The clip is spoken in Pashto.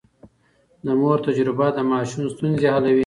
د مور تجربه د ماشوم ستونزې حلوي.